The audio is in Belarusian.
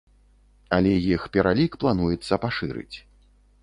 Але іх пералік плануецца пашырыць.